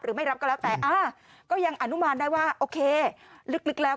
ไม่รับก็แล้วแต่อ่าก็ยังอนุมานได้ว่าโอเคลึกแล้ว